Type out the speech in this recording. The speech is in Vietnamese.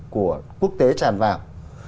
của quốc tế tràn vào